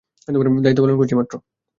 দায়িত্ব পালন করছি।